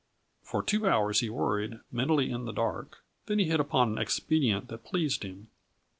For two hours he worried, mentally in the dark. Then he hit upon an expedient that pleased him.